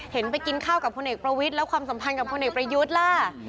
ไปกินข้าวกับพลเอกประวิทย์แล้วความสัมพันธ์กับพลเอกประยุทธ์ล่ะ